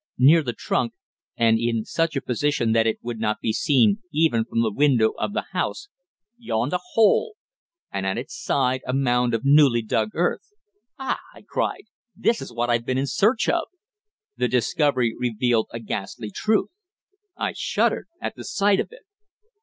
Near the trunk, and in such a position that it would not be seen even from the windows of the house, yawned a hole, and at its side a mound of newly dug earth. "Ah!" I cried. "This is what I've been in search of!" The discovery revealed a ghastly truth. I shuddered at the sight of it.